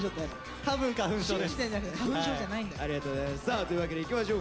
ありがとうございます。